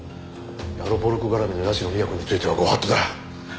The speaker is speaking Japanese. ヤロポロク絡みの社美彌子については御法度だ。